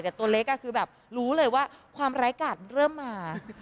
แต่ตัวเล็กคือแบบรู้เลยว่าความร้ายกาดเริ่มมา